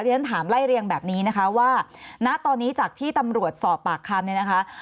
ฉันถามไล่เรียงแบบนี้ว่าณตอนนี้จากที่ตำรวจสอบปากคำ